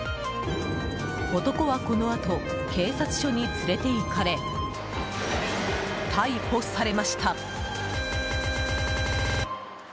男は、このあと警察署に連れて行かれ逮捕されました。